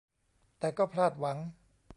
แต่ก็พลาดหวัง